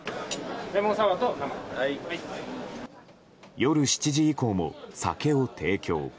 夜７時以降も酒を提供。